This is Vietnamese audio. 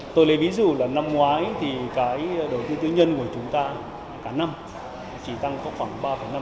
tôi lấy ví dụ là năm ngoái thì cái đầu tư tư nhân của chúng ta cả năm chỉ tăng có khoảng ba năm